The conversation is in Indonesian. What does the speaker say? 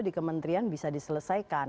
di kementerian bisa diselesaikan